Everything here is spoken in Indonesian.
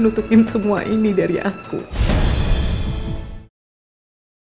ibu sudah menanggapi keadaan putri